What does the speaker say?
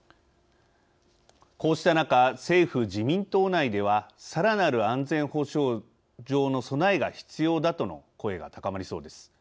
こうした中政府自民党内ではさらなる安全保障上の備えが必要だとの声が高まりそうです。